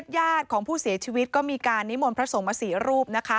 ญาติของผู้เสียชีวิตก็มีการนิมนต์พระสงฆ์มา๔รูปนะคะ